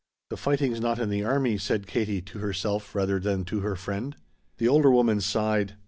"The fighting's not in the army," said Katie, to herself rather than to her friend. The older woman sighed.